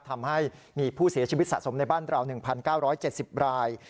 ทำให้มีผู้เสียชีวิตสะสมในบ้านเรา๑๙๗๐ราย